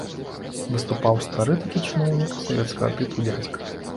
Выступаў стары такі чыноўнік, савецкага тыпу дзядзька.